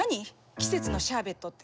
「季節のシャーベット」って。